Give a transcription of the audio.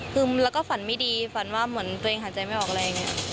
คือแล้วก็ฝันไม่ดีฝันว่าเหมือนตัวเองหายใจไม่ออกอะไรอย่างนี้